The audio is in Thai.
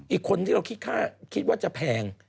อีกคนที่เราคิดว่าจะแพง